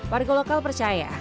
warga lokal percaya